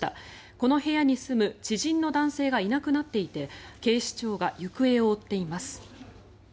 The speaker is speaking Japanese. この部屋に住む知人の男性がいなくなっていて警視庁が行方を追っています。